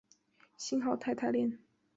信号肽肽链。